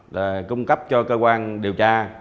là cung cấp cho cơ quan điều tra